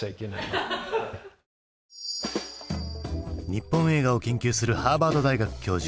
日本映画を研究するハーバード大学教授